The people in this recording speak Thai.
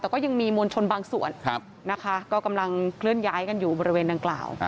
แต่ก็ยังมีมวลชนบางส่วนนะคะก็กำลังเคลื่อนย้ายกันอยู่บริเวณดังกล่าว